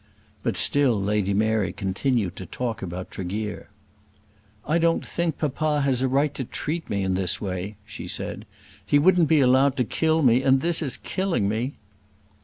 But still Lady Mary continued to talk about Tregear. "I don't think papa has a right to treat me in this way," she said. "He wouldn't be allowed to kill me, and this is killing me."